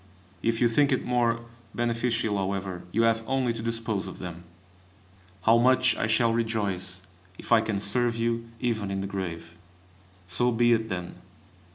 If you think it more beneficial, however, you have only to dispose of them. How much I shall rejoice if I can serve you even in the grave! So be it then!